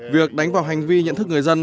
việc đánh vào hành vi nhận thức người dân